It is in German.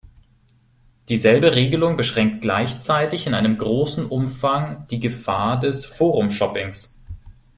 Dieselbe Regelung beschränkt gleichzeitig in einem großen Umfang die Gefahr des "Forumshoppings".